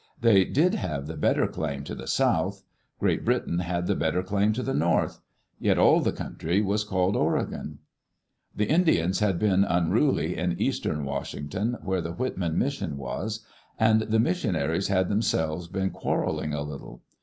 They did have the better claim to the south; Great Britain had the better claim to the north. Yet all the country was called Oregon. The Indians had been unruly in eastern Washington, where the Whitman mission was ; and the missionaries had Digitized by Google WHO OWNED THE "OREGON COUNTRY"? themselves been quarreling a little.